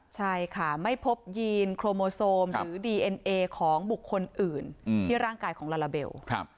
ใช่ค่ะไม่พบยีนโครโมโซมหรือดีเอ็นเอของบุคคลอื่นที่ร่างกายของลาลาเบล